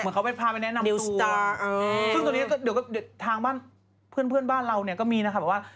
เขาไปพาไปแนะนำตัวซึ่งตรงนี้เดี๋ยวก็ทางบ้านเพื่อนบ้านเราเนี่ยก็มีนะครับว่า